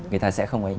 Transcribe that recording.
người ta sẽ không ấy